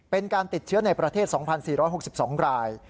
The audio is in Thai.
เป็นการติดเชื้อในประเทศ๒๔๖๒ราย